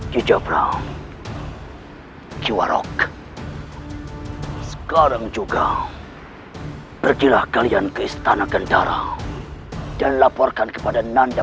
jujabra kiwarok sekarang juga pergilah kalian ke istana gendara dan laporkan kepada nanda